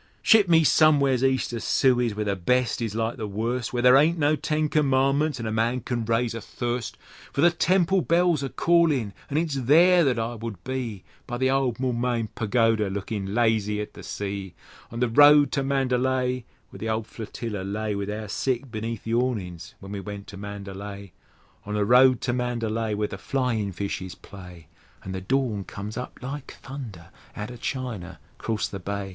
Ship me somewheres east of Suez, where the best is like the worst, Where there aren't no Ten Commandments an' a man can raise a thirst; For the temple bells are callin', an' it's there that I would be By the old Moulmein Pagoda, looking lazy at the sea; On the road to Mandalay, Where the old Flotilla lay, With our sick beneath the awnings when we went to Mandalay! On the road to Mandalay, Where the flyin' fishes play, An' the dawn comes up like thunder outer China 'crost the Bay!